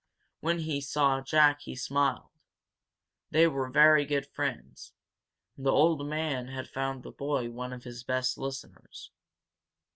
When he saw Jack he smiled. They were very good friends, and the old man had found the boy one of his best listeners.